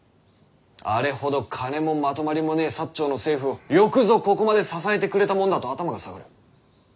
あれほど金もまとまりもねぇ長の政府をよくぞここまで支えてくれたもんだと頭が下がる。